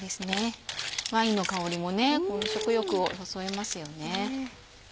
ワインの香りも食欲をそそりますよね。